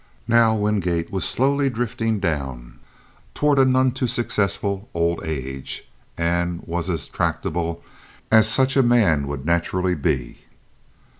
Now Wingate was slowly drifting down toward a none too successful old age, and was as tractable as such a man would naturally be.